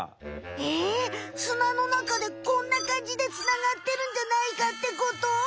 え砂の中でこんなかんじでつながってるんじゃないかってこと？